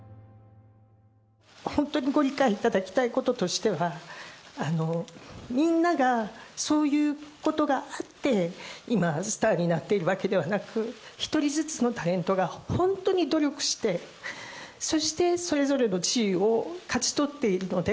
本当にご理解いただきたいこととしては、みんなが、そういうことがあって、今、スターになっているわけではなく、１人ずつのタレントが本当に努力して、そしてそれぞれの地位を勝ち取っているので、